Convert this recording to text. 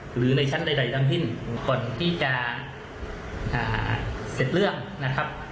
หรือในชั้นใดทั้งสิ้นก่อนที่จะเสร็จเรื่องนะครับ